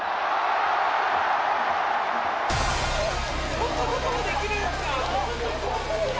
そんなこともできるんですか？